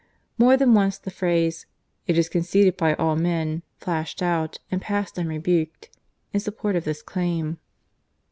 More than once the phrase "It is conceded by all men" flashed out, and passed unrebuked, in support of this claim.